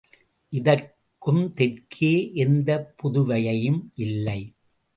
இதற்கும் தெற்கே எந்தப் புதுவையும் இல்லை.